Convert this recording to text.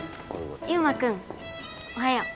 悠真君おはよう。